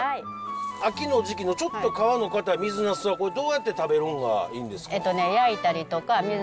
秋の時期のちょっと皮の硬い水なすはどうやって食べるんがいいんですか？